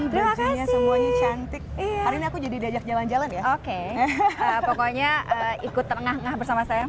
semua cantik hari ini aku jadi diajak jalan jalan ya oke pokoknya ikut tengah tengah bersama sayang